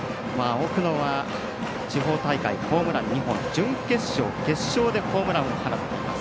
奥野は地方大会ホームラン２本準決勝、決勝でホームランを放っています。